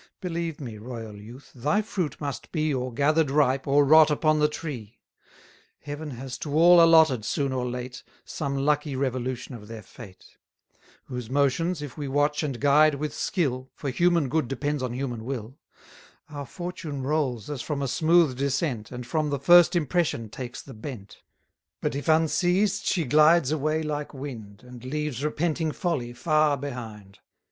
Believe me, royal youth, thy fruit must be 250 Or gather'd ripe, or rot upon the tree. Heaven has to all allotted, soon or late, Some lucky revolution of their fate: Whose motions, if we watch and guide with skill, (For human good depends on human will,) Our fortune rolls as from a smooth descent, And from the first impression takes the bent: But if, unseized, she glides away like wind, And leaves repenting folly far behind.